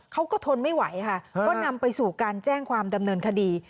ทนไม่ไหวค่ะก็นำไปสู่การแจ้งความดำเนินคดี